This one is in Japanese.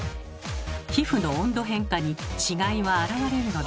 皮膚の温度変化に違いは現れるのでしょうか。